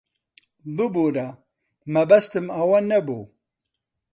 ببوورە، مەبەستم ئەوە نەبوو.